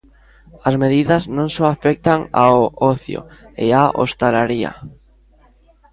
As medidas non só afectan ao ocio e á hostalaría.